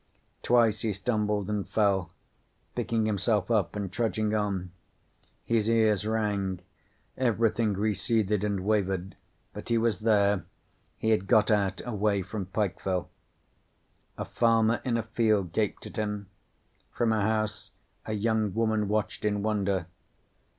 Twice he stumbled and fell, picking himself up and trudging on. His ears rang. Everything receded and wavered. But he was there. He had got out, away from Pikeville. A farmer in a field gaped at him. From a house a young woman watched in wonder.